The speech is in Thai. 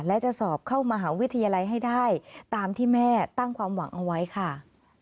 และจะสอบเข้ามหาวิทยาลัยให้ได้ตามที่แม่ตั้งความหวังเอาไว้ค่ะ